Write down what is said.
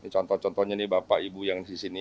contoh contohnya nih bapak ibu yang di sini